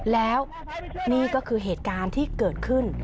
แล้วนี่ก็คือเหตุการณ์ที่เกิดขึ้น